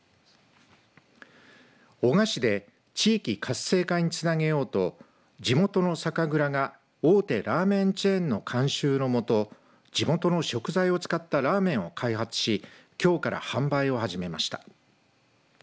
男鹿市で地域活性化につなげようと地元の酒蔵が大手ラーメンチェーンの監修の下地元の食材を使ったラーメンを開発しきょうから販売を始めました。